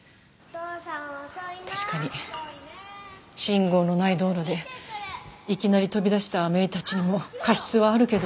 確かに信号のない道路でいきなり飛び出した姪たちにも過失はあるけど。